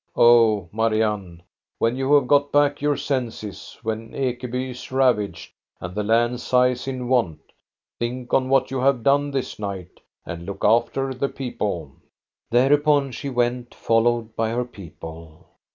Oh, Marianne, when you have got back your senses, when Ekeby is ravaged, and the land sighs in want, think on what you have done this night, and look after the people !" Thereupon she went, followed by her people.